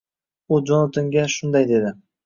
U Jonatanga shunday dedi: